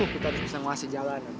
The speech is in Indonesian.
kita harus bisa ngelahsi jalan